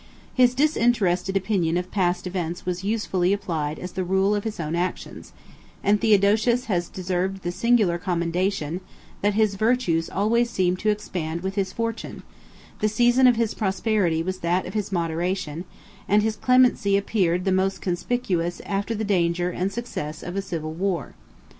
His disinterested opinion of past events was usefully applied as the rule of his own actions; and Theodosius has deserved the singular commendation, that his virtues always seemed to expand with his fortune: the season of his prosperity was that of his moderation; and his clemency appeared the most conspicuous after the danger and success of a civil war.